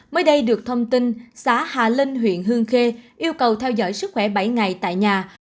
mới đây được thông tin xã hà linh huyện hương khê yêu cầu theo dõi sức khỏe bảy ngày tại nhà